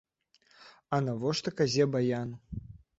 А нашто казе баян?